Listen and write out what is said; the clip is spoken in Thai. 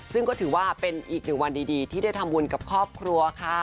ซึ่งก็ถือว่าเป็นอีกหนึ่งวันดีที่ได้ทำบุญกับครอบครัวค่ะ